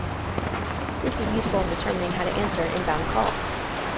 This is useful in determining how to answer an inbound call.